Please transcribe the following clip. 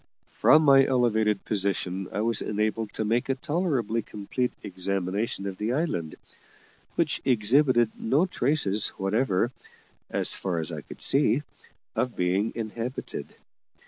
From my elevated position I was enabled to make a tolerably complete examination of the island, which exhibited no traces whatever, as far as I could see, of being inhabited.